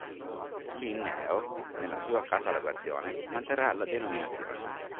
Linneo nella sua catalogazione manterrà la denominazione.